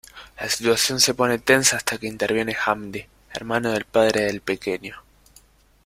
La situación se pone tensa hasta que interviene Hamdi, hermano del padre del pequeño.